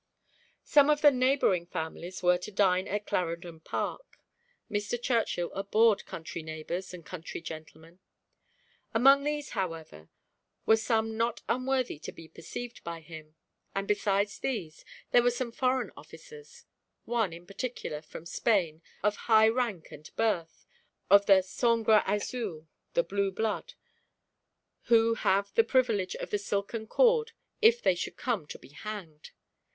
Some of the neighbouring families were to dine at Clarendon Park. Mr. Churchill abhorred country neighbours and country gentlemen. Among these, however, were some not unworthy to be perceived by him; and besides these, there were some foreign officers; one in particular, from Spain, of high rank and birth, of the sangre azul, the blue blood, who have the privilege of the silken cord if they should come to be hanged.